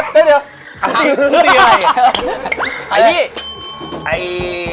ไป